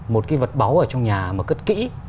một cái vật báu ở trong nhà mà cất kỹ